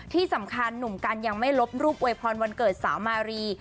ที่สำคัญหนุ่มกันยังไม่ลบรูปอวยพรวันเกิดสาวมารี